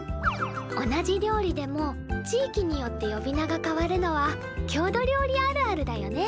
同じ料理でも地域によって呼び名が変わるのは郷土料理あるあるだよね。